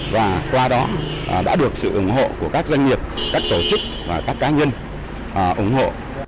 và qua đó đã được sự ủng hộ của các doanh nghiệp các tổ chức và các cá nhân ủng hộ